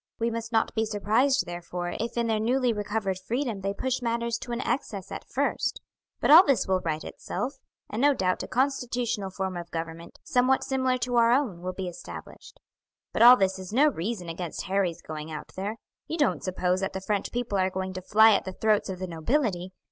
"We must not be surprised, therefore, if in their newly recovered freedom they push matters to an excess at first; but all this will right itself, and no doubt a constitutional form of government, somewhat similar to our own, will be established. But all this is no reason against Harry's going out there. You don't suppose that the French people are going to fly at the throats of the nobility.